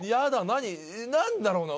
何だろうな？